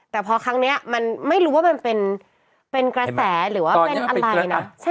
แต่พอครั้งนี้มันไม่รู้ว่ามันเป็นกระแสหรือว่าเป็นอะไรนะ